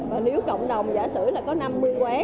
và nếu cộng đồng giả sử là có năm mươi quá